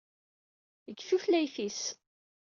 Deg tutlayt-is.